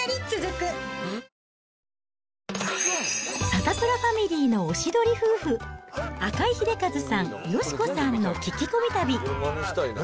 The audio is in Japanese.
サタプラファミリーのおしどり夫婦、赤井英和さん、佳子さんの聞き込み旅。